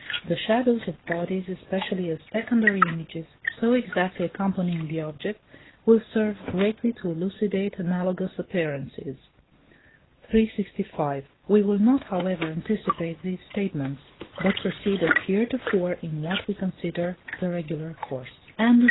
The shadows of bodies, especially, as secondary images, so exactly accompanying the object, will serve greatly to elucidate analogous appearances. 365. We will not, however, anticipate these statements, but proceed as heretofore in what we consider the regular course. XXXI. CATOPTRICAL COLOURS.